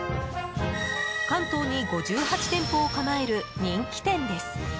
関東に５８店舗を構える人気店です。